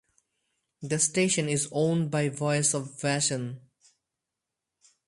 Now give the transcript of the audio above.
The station is owned by Voice of Vashon.